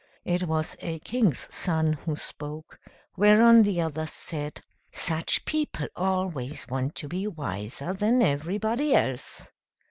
It was a king's son who spoke; whereon the others said, "Such people always want to be wiser than everybody else."